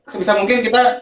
sebisa mungkin kita